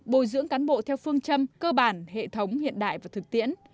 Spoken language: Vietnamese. bồi dưỡng cán bộ theo phương châm cơ bản hệ thống hiện đại và thực tiễn